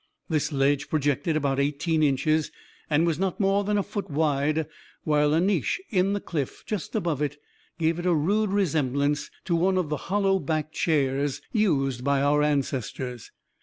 This ledge projected about eighteen inches, and was not more than a foot wide, while a niche in the cliff just above it gave it a rude resemblance to one of the hollow backed chairs used by our ancestors.